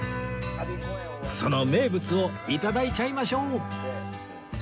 その名物を頂いちゃいましょう！